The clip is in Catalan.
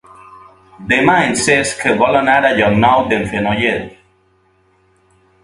Demà en Cesc vol anar a Llocnou d'en Fenollet.